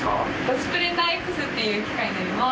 スプレンダーＸっていう機械になります。